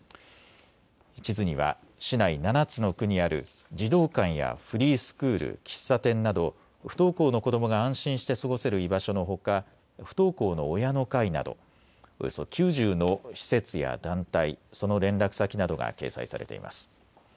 地図には、市内７つの区にある児童館やフリースクール喫茶店など不登校の子どもが安心して過ごせる居場所のほか不登校の親の会などおよそ９０の施設や団体その連絡先などが掲載されています。